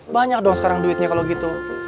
banyak dong sekarang duitnya kalau gitu